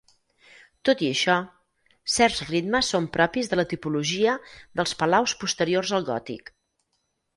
Tot i això, certs ritmes són propis de la tipologia dels palaus posteriors al gòtic.